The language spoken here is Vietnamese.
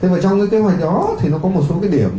thế mà trong cái kế hoạch đó thì nó có một số cái điểm